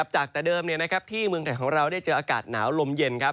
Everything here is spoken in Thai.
จากแต่เดิมที่เมืองไทยของเราได้เจออากาศหนาวลมเย็น